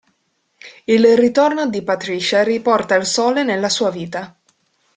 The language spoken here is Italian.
Il ritorno di Patricia riporta il sole nella sua vita.